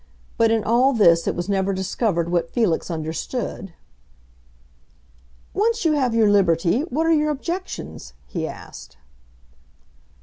But in all this it was never discovered what Felix understood. "Once you have your liberty, what are your objections?" he asked.